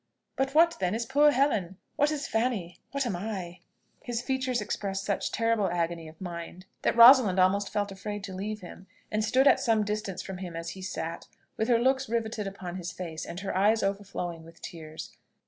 But what then is poor Helen? what is Fanny? what am I?" His features expressed such terrible agony of mind, that Rosalind almost felt afraid to leave him, and stood at some distance from him as he sat, with her looks riveted upon his face and her eyes overflowing with tears.